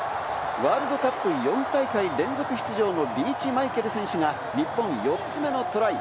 ワールドカップ４大会連続出場のリーチ・マイケル選手が日本４つ目のトライ！